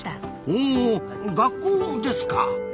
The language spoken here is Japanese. ほう学校ですか。